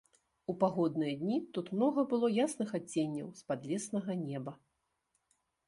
У пагодныя дні тут многа было ясных адценняў з падлеснага неба.